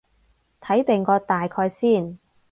睇定個大概先